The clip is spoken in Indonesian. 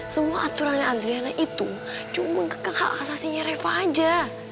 semua aturannya andriana itu cuma menggengkel asasinya reva aja